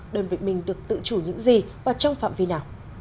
đơn vị mình được tự chủ những gì và trong phạm vi nào